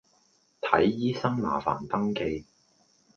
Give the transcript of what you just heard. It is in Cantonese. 睇醫生麻煩登記